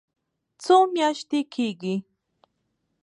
څو میاشتې کیږي؟